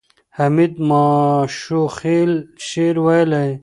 حمید ماشوخېل شعر ویلی.